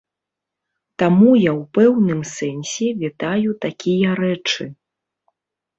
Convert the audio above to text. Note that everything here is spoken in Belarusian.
Таму я ў пэўным сэнсе вітаю такія рэчы.